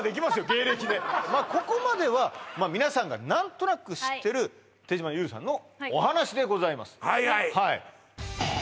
芸歴でまあここまでは皆さんが何となく知ってる手島優さんのお話でございます